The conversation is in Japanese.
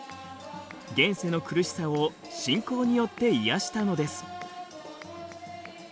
現世の苦しさを信仰によって癒やしたのです。